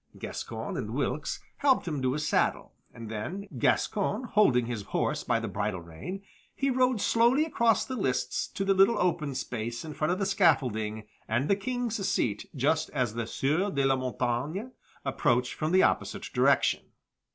Gascoyne and Wilkes helped him to his saddle, and then, Gascoyne holding his horse by the bridle rein, he rode slowly across the lists to the little open space in front of the scaffolding and the King's seat just as the Sieur de la Montaigne approached from the opposite direction.